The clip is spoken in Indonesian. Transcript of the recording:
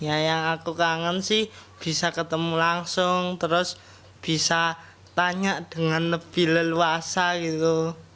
ya yang aku kangen sih bisa ketemu langsung terus bisa tanya dengan lebih leluasa gitu